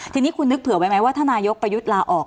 ทีนี้คุณนึกเผื่อไว้ไหมว่าถ้านายกประยุทธ์ลาออก